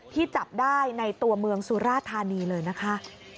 จับได้ในตัวเมืองสุราธานีเลยนะคะ